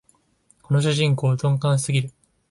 この主人公、鈍感すぎる